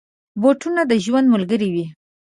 بوټونه د ژوند ملګري وي.